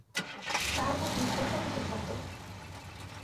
তাহার মধ্যে সোঁ সোঁ কিসের শব্দ?